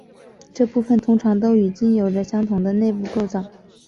这部分通常都与茎有着相同的内部构造。